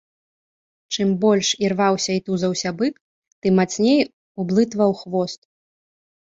Чым больш ірваўся і тузаўся бык, тым мацней ублытваў хвост.